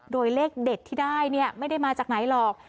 โดยเลขเด็ดที่ได้ไม่ได้มาจากไหนหรอก